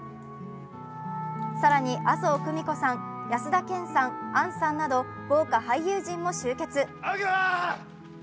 更に麻生久美子さん、安田顕さん、杏さんなど豪華俳優陣も集結。